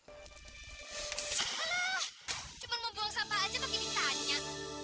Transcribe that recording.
alah cuman mau buang sampah aja makin ditanya